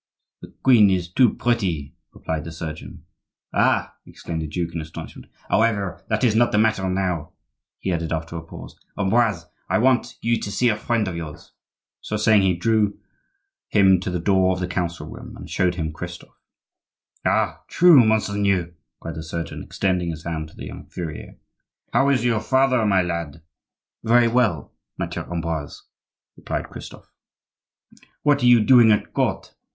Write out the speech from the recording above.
"The queen is too pretty," replied the surgeon. "Ah!" exclaimed the duke in astonishment. "However, that is not the matter now," he added after a pause. "Ambroise, I want you to see a friend of yours." So saying he drew him to the door of the council room, and showed him Christophe. "Ha! true, monseigneur," cried the surgeon, extending his hand to the young furrier. "How is your father, my lad?" "Very well, Maitre Ambroise," replied Christophe. "What are you doing at court?"